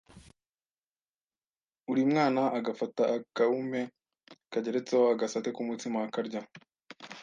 uri mwana agafata akaume kageretseho agasate k’umutsima akarya